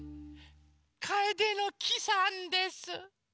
カエデの木さんです。